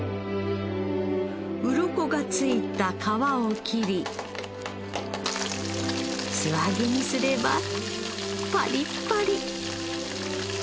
ウロコがついた皮を切り素揚げにすればパリッパリ